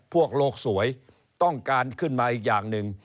โลกสวยต้องการขึ้นมาอีกอย่างหนึ่ง